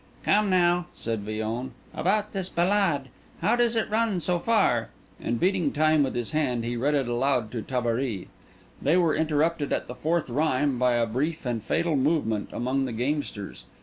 "Come now," said Villon—"about this ballade. How does it run so far?" And beating time with his hand, he read it aloud to Tabary. They were interrupted at the fourth rhyme by a brief and fatal movement among the gamesters.